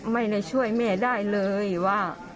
ไม่ได้ช่วยแม่ได้เลยว่า